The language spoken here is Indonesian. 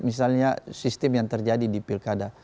misalnya sistem yang terjadi di pilkada